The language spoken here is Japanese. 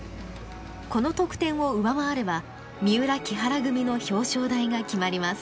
この得点を上回れば三浦木原組の表彰台が決まります。